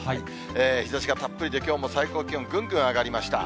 日ざしがたっぷりで、きょうも最高気温ぐんぐん上がりました。